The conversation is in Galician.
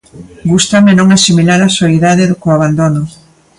Gústame non asimilar a soidade co abandono.